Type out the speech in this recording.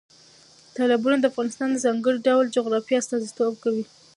تالابونه د افغانستان د ځانګړي ډول جغرافیه استازیتوب کوي.